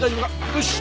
よし。